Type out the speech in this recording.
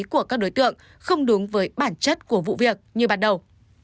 của các đối tượng không đúng với bản chất của vụ việc như bắt đầu